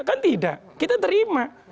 kan tidak kita terima